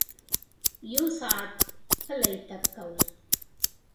یو ساعت پلی تګ کول